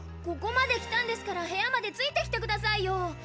ここまで来たんですから部屋までついてきてくださいよ。